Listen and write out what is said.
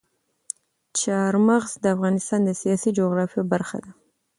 چار مغز د افغانستان د سیاسي جغرافیه برخه ده.